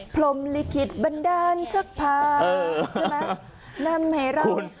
พร่มลิขิตบันดารศักรรณ์ใช่ไหม